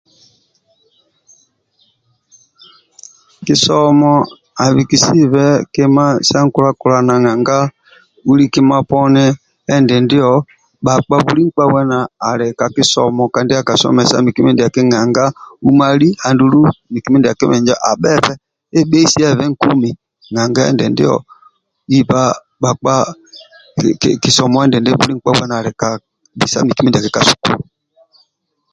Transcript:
Kisomo abikisebe kima sa nkulankulana nanga buli kima poni endindio bhakpa buli nkpa wena ali ka kisomo kandi akasomesa miki mindiaki nanga umali andulu miki mindiaki abhebe ebhesiebe nkumi nanga endindio iba bhakpa kisomo endindio buli ali kabisa miki mindiaki ka sukulu